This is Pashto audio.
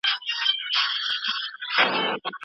تور قسمت په تا آرام نه دی لیدلی